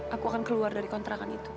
aku akan keluar dari kontrakan itu